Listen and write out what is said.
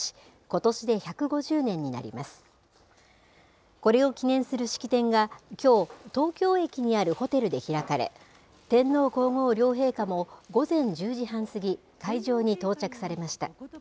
これを記念する式典が、きょう、東京駅にあるホテルで開かれ、天皇皇后両陛下も、午前１０時半過ぎ、会場に到着されました。